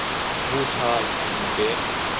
Muṭhai an in pek.